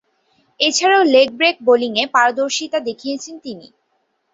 এছাড়াও, leg break বোলিংয়ে পারদর্শীতা দেখিয়েছেন তিনি।